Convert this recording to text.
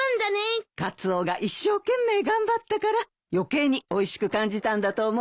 カツオが一生懸命頑張ったから余計においしく感じたんだと思うよ。